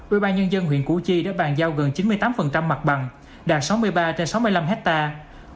ủy ban nhân dân huyện củ chi đã bàn giao gần chín mươi tám mặt bằng đạt sáu mươi ba trên sáu mươi năm hectare